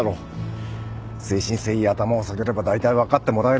誠心誠意頭を下げればだいたい分かってもらえる